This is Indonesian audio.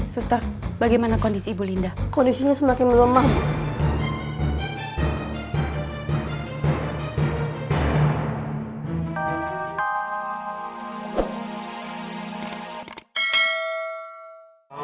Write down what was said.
susta bagaimana kondisi ibu linda kondisinya semakin melemah